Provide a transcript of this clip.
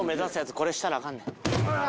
これしたらアカンねん。